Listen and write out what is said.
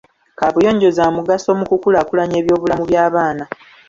Kaabuyonjo za mugaso mu kukulaakulanya ebyobulamu by'abaana.